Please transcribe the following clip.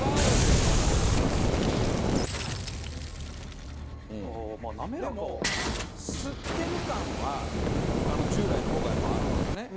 でもすってる感は従来の方がやっぱあるんですよね。